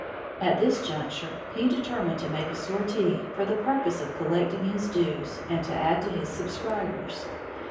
At this juncture he determined to make a sortie for the purpose of collecting his dues and to add to his subscribers.